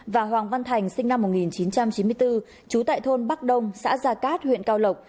và hoàng văn thành sinh năm một nghìn chín trăm chín mươi bốn trú tại thôn bắc đông xã gia cát huyện cao lộc